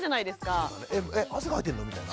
え汗かいてるの？みたいな。